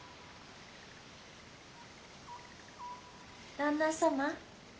旦那様。